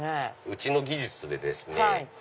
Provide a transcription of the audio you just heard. うちの技術でですね